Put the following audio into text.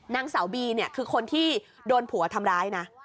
นางสาวบีเนี่ยคือคนที่โดนผัวทำร้ายนะ